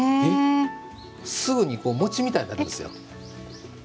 すぐに餅みたいになるんですよ。